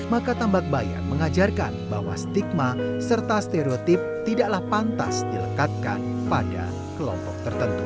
maka tambak bayan mengajarkan bahwa stigma serta stereotip tidaklah pantas dilekatkan pada kelompok tertentu